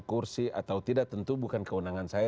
kursi atau tidak tentu bukan kewenangan saya